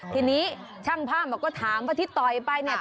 ทีนี้ช่างภาพบอกก็ถามว่าที่ต่อยไปเนี่ย